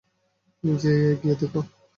নিজে গিয়ে দেখো।